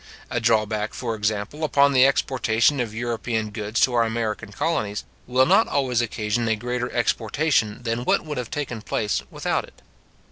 A drawback, for example, upon the exportation of European goods to our American colonies, will not always occasion a greater exportation than what would have taken place without it.